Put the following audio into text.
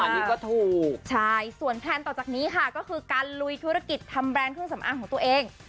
อันนี้ก็ถูกใช่ส่วนแพลนต่อจากนี้ค่ะก็คือการลุยธุรกิจทำแบรนด์เครื่องสำอางของตัวเอง